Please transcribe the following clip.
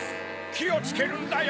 ・きをつけるんだよ！